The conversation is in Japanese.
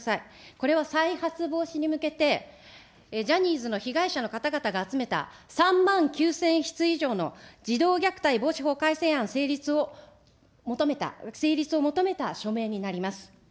これは再発防止に向けて、ジャニーズの被害者の方々が、集めた３万９０００筆以上の児童虐待防止法改正案成立を求めた、成立を求めた署名になります。